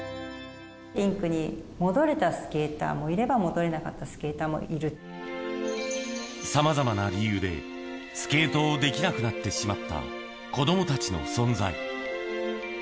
リンクに戻れたスケーターもいれば、さまざまな理由で、スケートをできなくなってしまった子どもたちの存在。